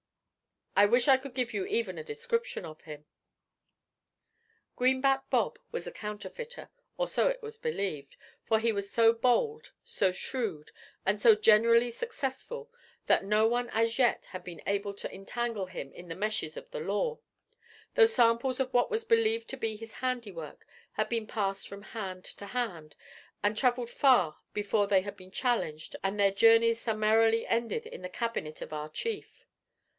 I wish I could give you even a description of him.' Greenback Bob was a counterfeiter, or so it was believed, for he was so bold, so shrewd, and so generally successful, that no one as yet had been able to entangle him in the meshes of the law; though samples of what was believed to be his handiwork had been passed from hand to hand, and travelled far before they had been challenged, and their journeys summarily ended in the cabinet of our chief.